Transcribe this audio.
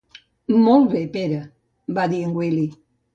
Molt bé, Pere —va dir el Willy—.